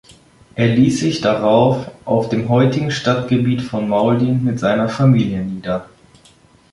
Er ließ sich darauf, auf dem heutigen Stadtgebiet von Mauldin, mit seiner Familie nieder.